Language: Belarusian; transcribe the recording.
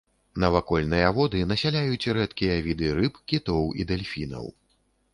Навакольныя воды насяляюць рэдкія віды рыб, кітоў і дэльфінаў.